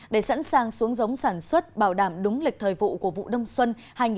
để sẵn sàng xuống giống sản xuất bảo đảm đúng lịch thời vụ của vụ đông xuân hai nghìn hai mươi hai nghìn hai mươi một